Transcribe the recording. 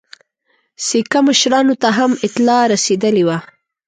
سیکه مشرانو ته هم اطلاع رسېدلې وه.